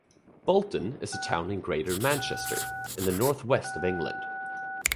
Bolton is a town in Greater Manchester, in the North West of England.